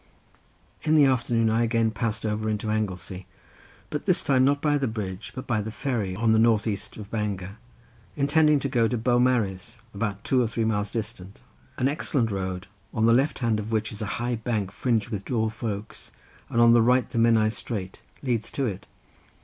In the afternoon I again passed over into Anglesey, but this time not by the bridge but by the ferry on the north east of Bangor, intending to go to Beaumaris, about two or three miles distant: an excellent road, on the left side of which is a high bank fringed with dwarf oaks, and on the right the Menai strait, leads to it.